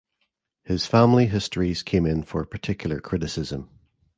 His family histories came in for particular criticism.